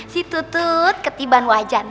situ tut ketiban wajan